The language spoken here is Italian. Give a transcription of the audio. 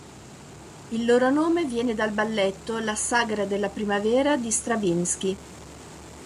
Il loro nome viene dal balletto "La sagra della primavera" di Stravinsky.